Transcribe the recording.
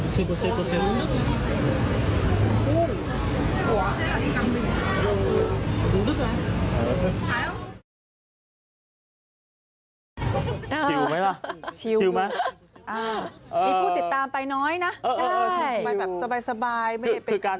ชิวไหมล่ะชิวไหมมีผู้ติดตามไปน้อยนะใช่มาแบบสบายไม่ได้เป็นประกวดอะไรบ้าง